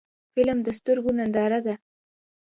فلم د سترګو ننداره ده